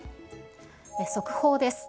速報です。